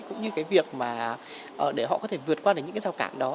cũng như cái việc mà để họ có thể vượt qua những cái rào cản đó